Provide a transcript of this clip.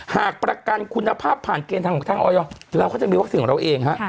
หากประกันคุณภาพผ่านเกณฑ์ทางของทางออยเราก็จะมีวัคซีนของเราเองฮะ